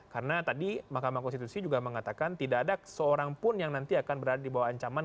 karena tadi mahkamah konstitusi juga mengatakan tidak ada seorang pun yang nanti akan berada di bawah ancaman